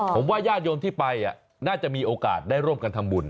ผมว่าญาติโยมที่ไปน่าจะมีโอกาสได้ร่วมกันทำบุญ